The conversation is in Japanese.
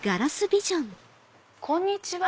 こんにちは。